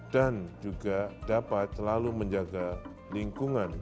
dan juga dapat selalu menjaga lingkungan